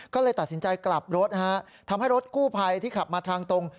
ก็เลยตัดสินใจกลับรถนะฮะทำให้รถกู้ภัยที่ขับมาทางตรง